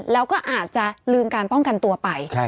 แล้วก็อาจจะลืมการป้องกันตัวไป